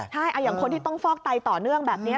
ใช่อย่างคนที่ต้องฟอกไตต่อเนื่องแบบนี้